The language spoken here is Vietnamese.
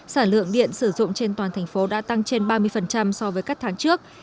sản lượng điện sử dụng trên toàn thành phố đã tăng trên ba mươi so với các tháng trước